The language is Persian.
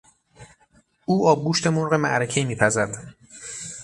او آبگوشت مرغ معرکهای میپزد.